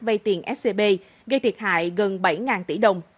vay tiền scb gây thiệt hại gần bảy tỷ đồng